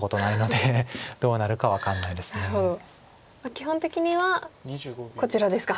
基本的にはこちらですか。